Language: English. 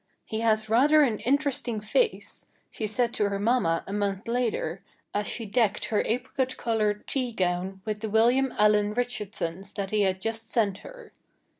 "He has rather an interesting face," she said to her mamma a month later, as she decked her apricot colored tea gown with the William Allen Richardsons that he had just sent her.